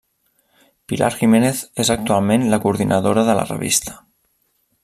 Pilar Jiménez és actualment la coordinadora de la revista.